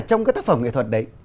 trong cái tác phẩm nghệ thuật đấy